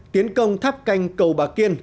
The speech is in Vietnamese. tiến công thắp canh cầu bà kỳ